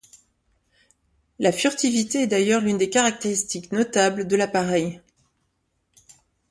La furtivité est d'ailleurs l'une des caractéristiques notables de l'appareil.